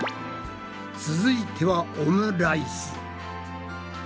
続いてはオムライス。